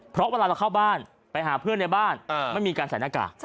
เพราะเวลาเราเข้าบ้านไปหาเพื่อนในบ้านไม่มีการใส่หน้ากาก